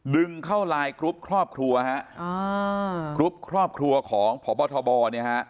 ดึงเข้ารายครุปครอบครัวครุปครอบครัวของพวบทบร